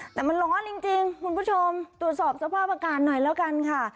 แต่มันร้อนจริงคุณผู้ชมตรวจสอบสภาพอากาศหน่อยแล้วกันค่ะ